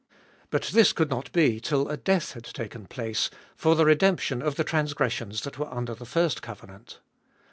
But this could not be till a death had taken place for the redemption of the transgressions that were under the first covenant.